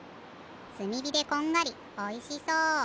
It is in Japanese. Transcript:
すみびでこんがりおいしそう。